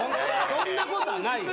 そんなことはないよ。